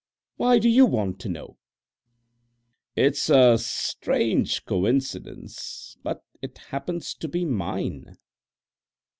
Why do you want to know?" "It's a strange coincidence, but it happens to be mine."